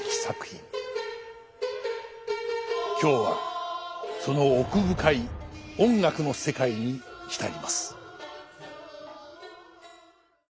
今日はその奥深い音楽の世界に浸ります。